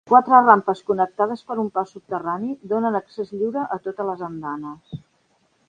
Quatre rampes connectades per un pas subterrani donen accés lliure a totes les andanes.